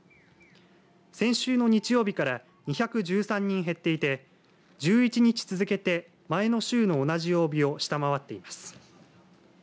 先週の日曜日から２１３人減っていて１１日続けて前の週の同じ曜日を下回っています。